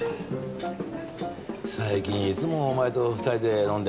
最近いつもお前と２人で飲んでんな。